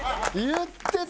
言ってた！